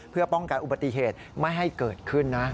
เพื่อป้องกันอุบัติเหตุไม่ให้เกิดขึ้นนะ